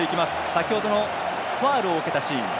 先ほどのファウルを受けたシーン。